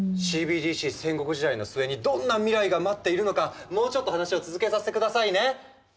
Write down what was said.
戦国時代の末にどんな未来が待っているのかもうちょっと話を続けさせてくださいね。